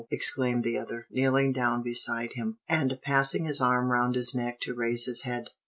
exclaimed the other, kneeling down beside him, and passing his arm round his neck to raise his head.